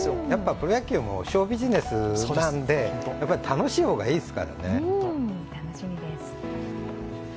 プロ野球もショービジネスなので楽しい方がいいですからね。